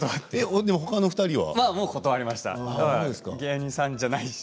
ほかの２人は？